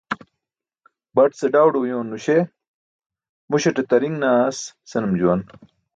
Baṭ ce đawdo uyooń nuśe muśaṭe "tariṅ naas" senum juwan.